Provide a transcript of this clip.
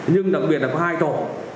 nhưng đặc biệt là có hai tổ